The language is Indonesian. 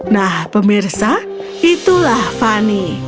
nah pemirsa itulah fanny